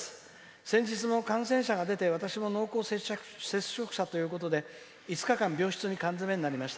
先日も感染者が出て私も濃厚接触者ということで５日間、病室に缶詰になりました。